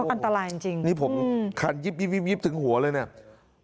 อันตรายจริงนี่ผมคันยิบถึงหัวเลยเนี่ย